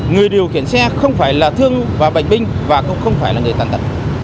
người điều khiển xe không phải là thương và bệnh binh và cũng không phải là người tàn tật